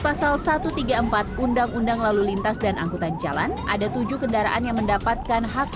pasal satu ratus tiga puluh empat undang undang lalu lintas dan angkutan jalan ada tujuh kendaraan yang mendapatkan hak